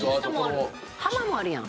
浜もあるやん